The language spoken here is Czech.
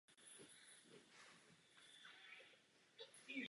Bez jednotné vlády pro Palestince je mírový proces nezvládnutelný.